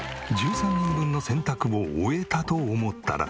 １３人分の洗濯を終えたと思ったら。